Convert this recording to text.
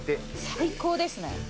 最高ですね。